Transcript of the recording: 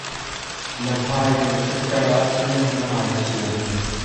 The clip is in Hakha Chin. Na hmai kaan chiat ter sual ahcun ka ngai thiam.